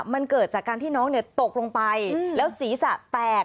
มันเกิดจากการที่น้องตกลงไปแล้วศีรษะแตก